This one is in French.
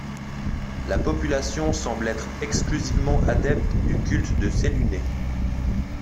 La population semble être exclusivement adepte du culte de Séluné.